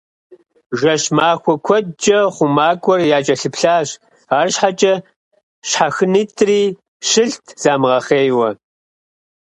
Жэщ-махуэ куэдкӏэ хъумакӏуэр якӏэлъыплъащ, арщхьэкӏэ щхьэхынитӏри щылът замыгъэхъейуэ.